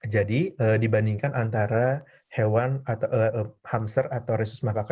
jadi dibandingkan antara hewan atau hamster atau resus makaka